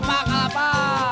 jadi ke terminal